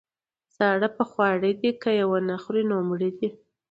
ـ زاړه په خواړه دي، که يې ونخوري نو مړه دي.